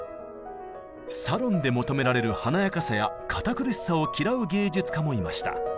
サロンで求められる華やかさや堅苦しさを嫌う芸術家もいました。